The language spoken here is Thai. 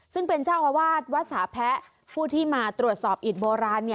ซึ่งเป็นเจ้าอาวาสวัดสาแพะผู้ที่มาตรวจสอบอิตโบราณ